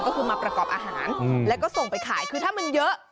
ก็คือมาประกอบอาหารแล้วก็ส่งไปขายคือถ้ามันเยอะ